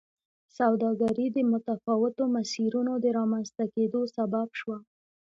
سوداګري د متفاوتو مسیرونو د رامنځته کېدو سبب شوه.